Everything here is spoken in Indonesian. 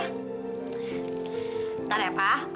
bentar ya pak